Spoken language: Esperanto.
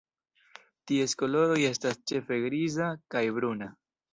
Ties koloroj estas ĉefe griza kaj bruna.